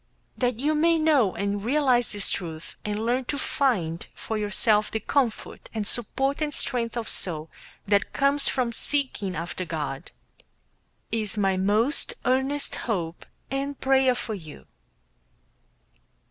That you may know and realize this truth, and learn to find for yourself the comfort and support and strength of soul that comes from seeking after God, is my most earnest hope and prayer for you.